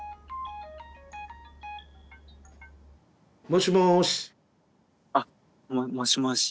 もしもし。